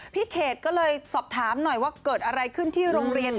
พี่เขตก็เลยสอบถามหน่อยว่าเกิดอะไรขึ้นที่โรงเรียน